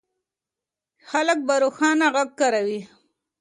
خلک به روښانه غږ کاروي.